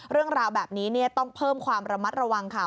เรื่องราวแบบนี้ต้องเพิ่มความระมัดระวังค่ะ